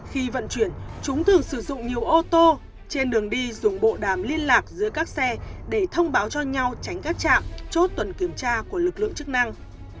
khi vận chuyển chúng thường sử dụng nhiều ô tô trên đường đi dùng bộ đàm liên lạc giữa các xe để thông báo cho nhau tránh các trạm chốt tuần kiểm tra của lực lượng chức năng